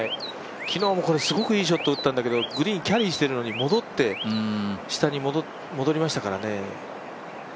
昨日もすごくいいショットを打ったんですけど、グリーン、キャリーしてるのに下に戻りましたからね。